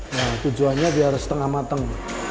nah tujuannya biar setengah mateng